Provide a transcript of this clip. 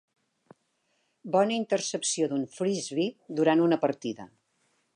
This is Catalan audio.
bona intercepció d'un frisbee durant una partida.